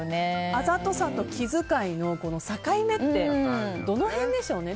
あざとさと気遣いの境目ってどの辺でしょうね